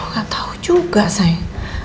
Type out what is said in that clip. gak tau juga sayang